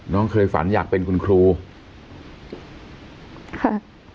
น้องเคยฝันอยากเป็นคุณครูค่ะ